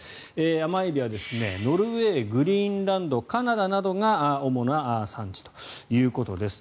甘エビはノルウェーグリーンランド、カナダなどが主な産地ということです。